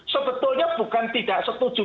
sebetulnya bukan tidak setuju